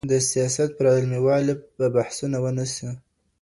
د سیاست پر علمي والي به بحثونه ونه سي.